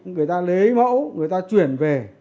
người ta lấy mẫu người ta chuyển về